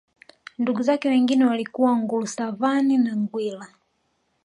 Ndugu zake wengine walikuwa Ngulusavangi na Ngwila